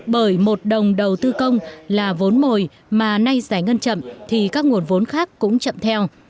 bởi một đồng đầu tư công là vốn mồi mà nay giải ngân chậm thì các nguồn vốn khác cũng chậm theo